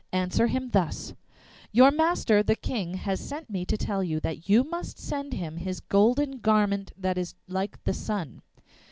Answer him thus: ''Your master, the King, has sent me to tell you that you must send him his golden garment that is like the sun.